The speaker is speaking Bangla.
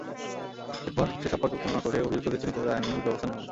এরপর সেসব পর্যালোচনা করে অভিযুক্তদের চিহ্নিত করে আইনানুগ ব্যবস্থা নেওয়া হবে।